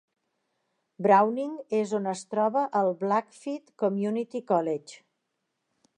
Browning és on es troba el Blackfeet Community College.